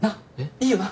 いいよな？